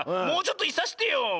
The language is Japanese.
もうちょっといさしてよ。